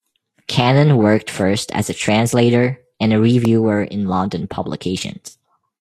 Cannan worked first as a translator, and a reviewer in London publications.